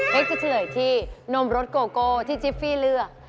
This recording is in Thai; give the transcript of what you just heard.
จะเฉลยที่นมรสโกโก้ที่จิฟฟี่เลือก